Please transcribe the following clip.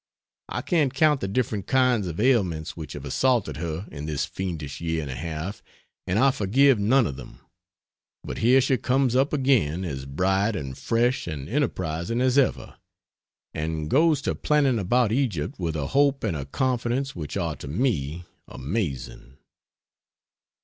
I can't count the different kinds of ailments which have assaulted her in this fiendish year and a half and I forgive none of them but here she comes up again as bright and fresh and enterprising as ever, and goes to planning about Egypt, with a hope and a confidence which are to me amazing.